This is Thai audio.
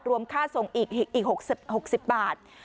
ค่าส่งอีก๖๐บาท